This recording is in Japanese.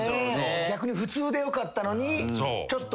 逆に普通でよかったのにちょっと。